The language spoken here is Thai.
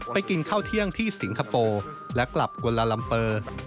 กินข้าวเที่ยงที่สิงคโปร์และกลับกวนลาลัมเปอร์